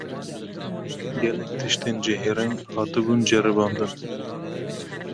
Gelek tiştên cihêreng hatibûn ceribandin